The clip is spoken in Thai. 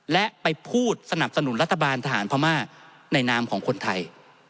และไปพูดสนับสนุนรัฐบาลทหารพม่าในนามของคนไทย